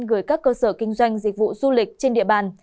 gửi các cơ sở kinh doanh dịch vụ du lịch trên địa bàn